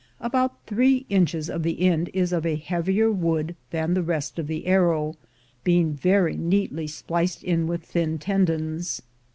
About three inches of the end is of a heavier wood than the rest of the arrow, being very neatly spliced in with thin tendons.